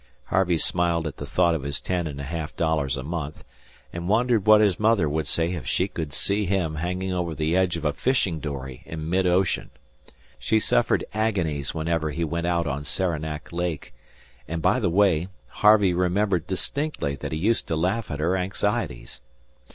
Harvey smiled at the thought of his ten and a half dollars a month, and wondered what his mother would say if she could see him hanging over the edge of a fishing dory in mid ocean. She suffered agonies whenever he went out on Saranac Lake; and, by the way, Harvey remembered distinctly that he used to laugh at her anxieties.